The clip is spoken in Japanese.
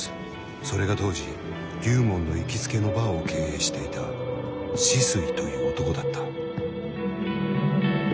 それが当時龍門の行きつけのバーを経営していた酒々井という男だった。